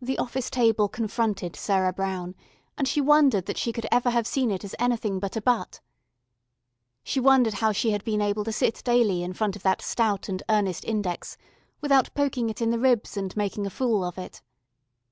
The office table confronted Sarah Brown, and she wondered that she could ever have seen it as anything but a butt. She wondered how she had been able to sit daily in front of that stout and earnest index without poking it in the ribs and making a fool of it.